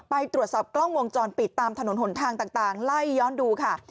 ไปตรวจสอบกล้องวงจรปิดตามถนนหนทางต่างไล่ย้อนดูค่ะ